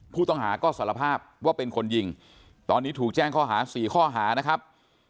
ผู้ต้องหาก็สารภาพว่าเป็นคนยิงตอนนี้ถูกแจ้งข้อหา๔ข้อหานะครับ